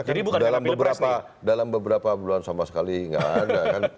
jadi bukan dalam beberapa bulan sama sekali nggak ada kan